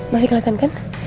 masih keliatan kan